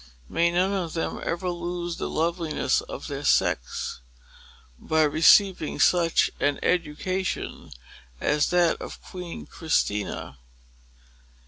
May none of them ever lose the loveliness of their sex, by receiving such an education as that of Queen Christina!